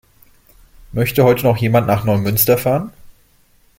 Möchte heute noch jemand nach Neumünster fahren?